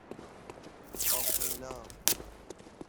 افرینا